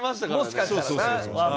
もしかしたらな。